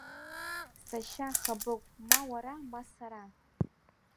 Сашьа, Хабыгә ма уара, ма сара…